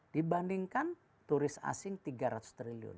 dibandingkan turis asing tiga ratus triliun